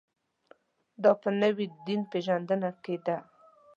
دا په نوې دین پېژندنه کې ده.